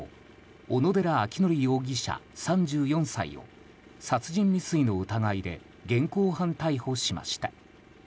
小野寺章仁容疑者、３４歳を殺人未遂の疑いで現行犯逮捕しました。